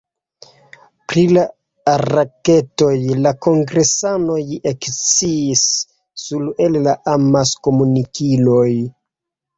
Pri la raketoj la kongresanoj eksciis nur el la amaskomunikiloj.